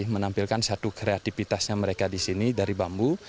menampilkan satu kreativitasnya mereka di sini dari bambu